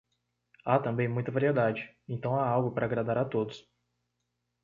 Há também muita variedade, então há algo para agradar a todos.